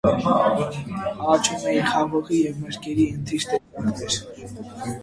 Աճում էին խաղողի և մրգերի ընտիր տեսակներ։